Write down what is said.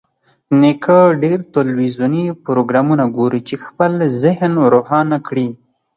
نیکه ډېر تلویزیوني پروګرامونه ګوري چې خپل ذهن روښانه کړي.